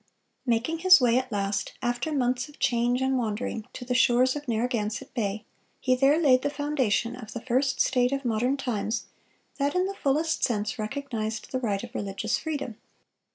Making his way at last, after months of change and wandering, to the shores of Narragansett Bay, he there laid the foundation of the first state of modern times that in the fullest sense recognized the right of religious freedom.